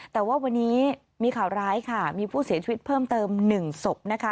แต่ว่าวันนี้มีข่าวร้ายค่ะมีผู้เสียชีวิตเพิ่มเติม๑ศพนะคะ